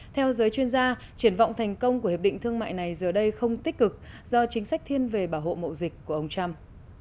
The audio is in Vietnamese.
theo giới chuyên gia triển vọng thành công của hiệp định thương mại này giờ đây không tích cực do chính sách thiên về bảo hộ mậu dịch của ông trump